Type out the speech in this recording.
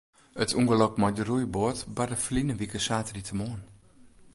It ûngelok mei de roeiboat barde ferline wike saterdeitemoarn.